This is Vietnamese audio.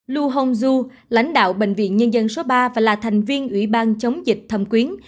lu hong zhu lãnh đạo bệnh viện nhân dân số ba và là thành viên ủy ban chống dịch thâm quyến